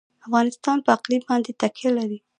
افغانستان په اقلیم باندې تکیه لري.